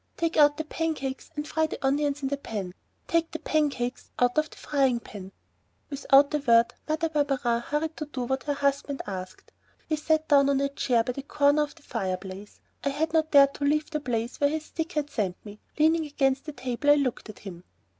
Take out the pancakes and fry the onions in the pan!" "Take the pancakes out of the frying pan!" Without a word, Mother Barberin hurried to do what her husband asked. He sat down on a chair by the corner of the fireplace. I had not dared to leave the place where his stick had sent me. Leaning against the table, I looked at him.